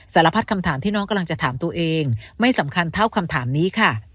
สารพัดคำถามที่น้องกำลังจะถามตัวเองไม่สำคัญเท่าคำถามนี้ค่ะ